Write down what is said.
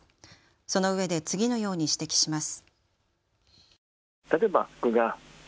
そのうえで次のように指摘します。